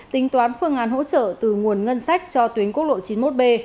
tính toán phương án hỗ trợ từ nguồn ngân sách cho tuyến quốc lộ chín mươi một b